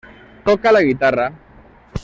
Toca la guitarra.